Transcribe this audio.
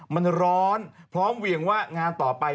มันร้อนพร้อมเหวี่ยงว่างานต่อไป